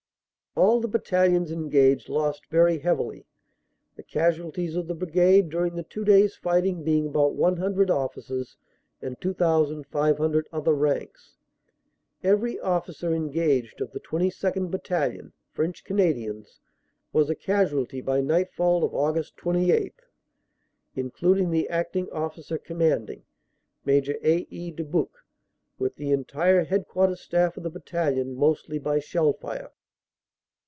All the battalions engaged lost very heavily, the casualties of the Brigade during the two days fighting being about one hundred officers and 2,500 other ranks. Every officer engaged of the 22nd. Battalion, French Canadians, was a casualty by nightfall of Aug. 28, including the Acting O. C., Major A. E. Dubuc, with the entire headquarters staff of the battalion, mostly by shell fire.